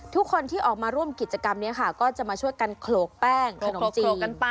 ทุกคนที่ออกมาร่วมกิจกรรมนี้ค่ะก็จะมาช่วยกันโขลกแป้งขนมจีบกันไป